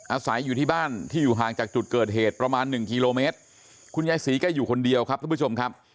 อาศัยอยู่ที่บ้านที่อยู่ห่างจากจุดเกิดเหตุประมาณหนึ่งกิโลเมตรคุณยายศรีก็อยู่คนเดียวครับทุกผู้ชมครับ